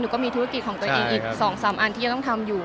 ก็มีธุรกิจของตัวเองอีก๒๓อันที่จะต้องทำอยู่